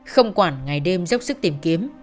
không quản ngày đêm dốc sức tìm kiếm